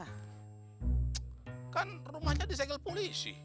ck kan rumahnya di segel polisi